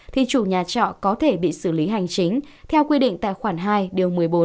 thì chủ nhà trọ có thể bị xử lý hành chính theo quy định tại khoản hai điều một mươi bốn